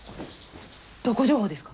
どこ情報ですか？